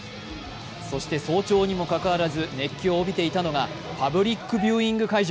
そして早朝にもかかわらず熱気を帯びていたのはパプリックビューイング会場。